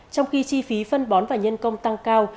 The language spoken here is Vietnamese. trong khi chi phí phân bón và nhân công tăng cao